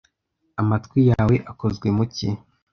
Amatwi yawe akozwe mu ki?